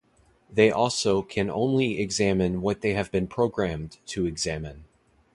They also can only examine what they have been programmed to examine.